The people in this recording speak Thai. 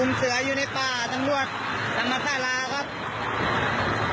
นี่ดูตำรวจคนนี้ไว้